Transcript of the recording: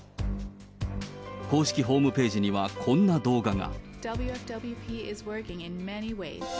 公式ホームページにはこんな動画が。